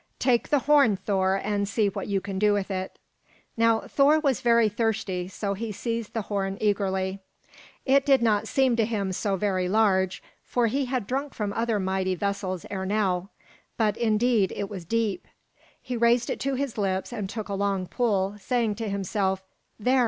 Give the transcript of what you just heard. Take the horn, Thor, and see what you can do with it." Now Thor was very thirsty, so he seized the horn eagerly. It did not seem to him so very large, for he had drunk from other mighty vessels ere now. But indeed, it was deep. He raised it to his lips and took a long pull, saying to himself, "There!